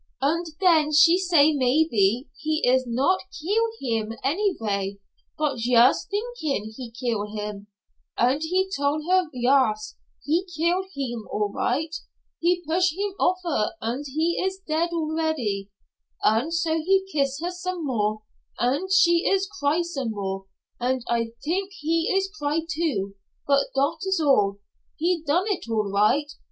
Und den she say maybe he is not keel heem any vay, bot yust t'inkin' he keel him, und he tol' her yas, he keel heem all right, he push heem ofer und he is dead already, und so he kiss her some more, und she is cry some more, und I t'ink he is cry, too, bot dot is all. He done it all right.